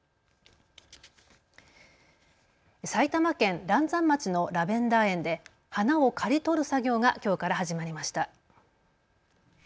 埼玉県嵐山町のラベンダー園で花を刈り取る作業がきょうから始まりました。